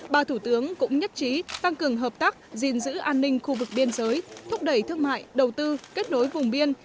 ba thủ tướng cũng nhất trí tăng cường hợp tác gìn giữ an ninh khu vực biên giới thúc đẩy thương mại đầu tư kết nối vùng biên